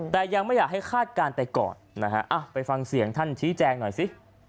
แต่ยังไม่อยากให้คาดการณ์ไปก่อนนะฮะไปฟังเสียงท่านชี้แจงหน่อยสิ